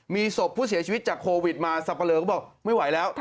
มีศพผู้เสียชีวิตจากโควิดมาสับปะเลอก็บอกไม่ไหวแล้ว